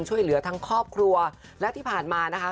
ช่วยเหลือทั้งครอบครัวและที่ผ่านมานะคะ